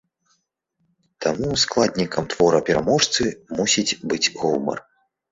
Таму складнікам твора-пераможцы мусіць быць гумар.